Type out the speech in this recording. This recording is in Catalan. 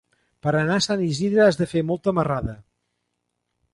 Per anar a Sant Isidre has de fer molta marrada.